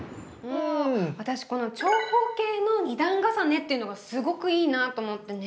私この長方形の２段重ねっていうのがすごくいいなと思ってね。